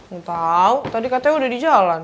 gak tau tadi katanya udah di jalan